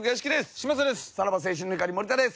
嶋佐です。